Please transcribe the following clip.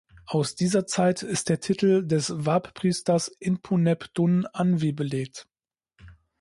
Aus dieser Zeit ist der Titel des Wab-Priesters Inpu-Neb-Dun-anwi belegt.